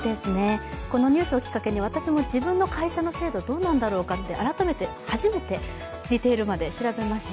このニュースをきっかけに私も自分の会社の制度どうなんだろうかと、初めてディテールまで調べました。